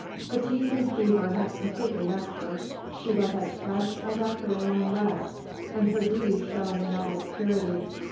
Fatigue and fever had completely left her; she was as fresh as after a long rest, and her beauty shone in all its purity.